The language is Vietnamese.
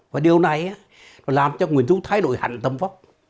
và điều này làm cho nguyễn du thay đổi hẳn tâm vóc